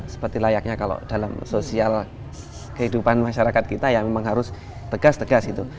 seperti layaknya kalau dalam sosial kehidupan masyarakat kita ya memang harus tegas tegas gitu